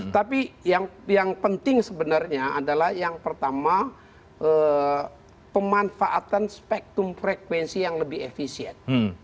tapi yang penting sebenarnya adalah yang pertama pemanfaatan spektrum frekuensi yang lebih efisien